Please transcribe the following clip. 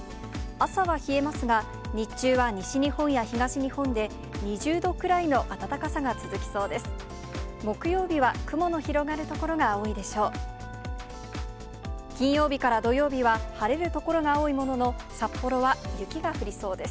朝は冷えますが、日中は西日本や東日本で、２０度くらいの暖かさが続きそうです。